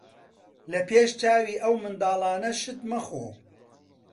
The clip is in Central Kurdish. لە پێش چاوی ئەو منداڵانە شت مەخۆ.